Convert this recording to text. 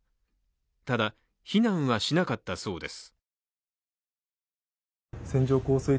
ただ、避難はしなかったそうです。